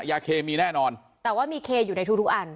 ยาเคมีแน่นอนแต่ว่ามีเคอยู่ในทุกทุกอัน